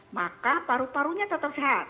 maka paru parunya tetap sehat